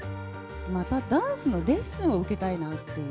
またダンスのレッスンを受けたいなっていう。